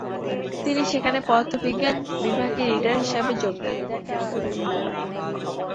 তিনি সেখানে পদার্থবিজ্ঞান বিভাগে রিডার হিসাবে যোগ দেন।